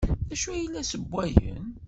D acu ay la ssewwayen?